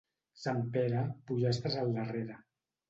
Sant Pere, pollastres al darrere.